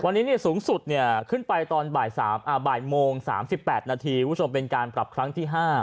วันนี้สูงสุดขึ้นไปตอนบ่ายโมง๓๘นาทีคุณผู้ชมเป็นการปรับครั้งที่๕